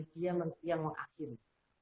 dia yang mengakhiri